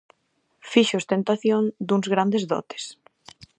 Fixo ostentación duns grandes dotes.